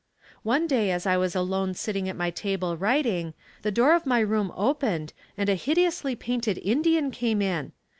One day as I was alone sitting at my table writing, the door of my room opened and a hideously painted Indian came in.